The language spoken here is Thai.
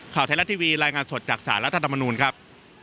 ข่าวเทลละทีวีรายงานสดจากศาลรัฐธรรรมนุนครับ